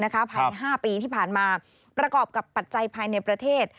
ภายใน๕ปีที่ผ่านมาประกอบกับปัจจัยภายในประเทศ